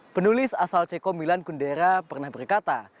penulis asal ceko milan kundera pernah berkata